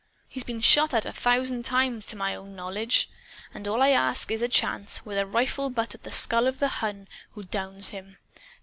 He's been shot at, a thousand times, to my own knowledge. And all I ask is a chance, with a rifle butt, at the skull of the Hun who downs him!"